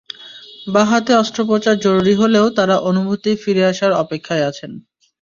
বাঁ হাতে অস্ত্রোপচার জরুরি হলেও তাঁরা অনুভূতি ফিরে আসার অপেক্ষায় আছেন।